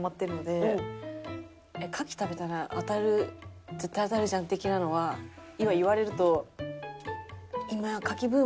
「牡蠣食べたらあたる絶対あたるじゃん」的なのは今言われると。